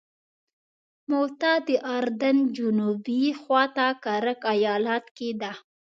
موته د اردن جنوب خواته کرک ایالت کې ده.